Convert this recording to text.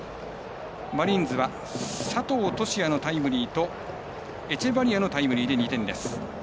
マリーンズは佐藤都志也のタイムリーとエチェバリアのタイムリーで２点。